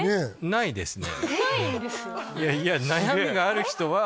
ないですね。